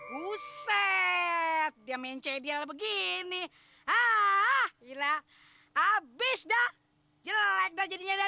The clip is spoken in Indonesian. buset dia mencet dia begini ah gila abis dah jelek dah jadinya nih ah